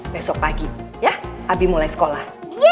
besok pagi ya abi mulai sekolah